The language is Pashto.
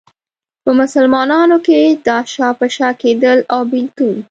په مسلمانانو کې دا شا په شا کېدل او بېلتون.